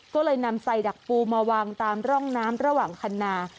ก็เลยนำใส่ดักปูมาวางตามร่องน้ำระหว่างคันนา